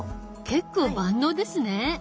結構万能ですね。